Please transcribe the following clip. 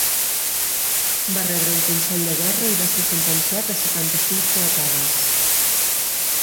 Va rebre un consell de guerra i va ser sentenciat a setanta-cinc fuetades.